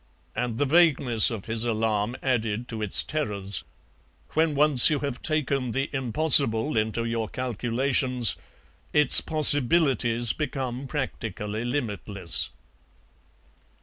And the vagueness of his alarm added to its terrors; when once you have taken the Impossible into your calculations its possibilities become practically limitless.